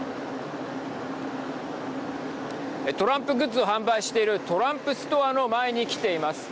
トランプグッズを販売しているトランプストアの前に来ています。